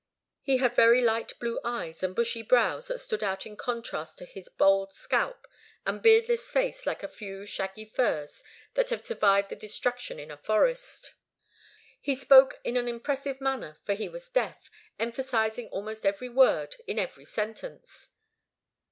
He had very light blue eyes and bushy brows that stood out in contrast to his bald scalp and beardless face like a few shaggy firs that have survived the destruction of a forest. He spoke in an impressive manner, for he was deaf, emphasizing almost every word in every sentence.